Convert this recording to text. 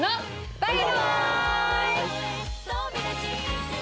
バイバイ！